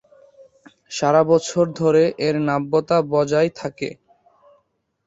সারা বছর ধরে এর নাব্যতা বজায় থাকে।